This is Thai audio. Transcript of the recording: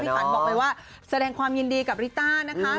ขันบอกเลยว่าแสดงความยินดีกับริต้านะคะ